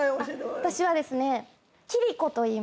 私はですね。